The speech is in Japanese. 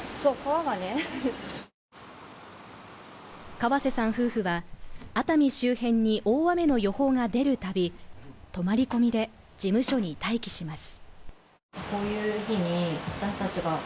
河瀬さん夫婦は熱海周辺に大雨の予報が出るたび、泊まり込みで事務所に待機します。